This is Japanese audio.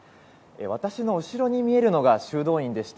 私の後ろに見えるのが修道院でして